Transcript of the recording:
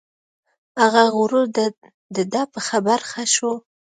هغه غرور د ده په برخه شو.